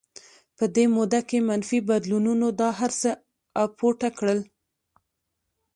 په دې موده کې منفي بدلونونو دا هرڅه اپوټه کړل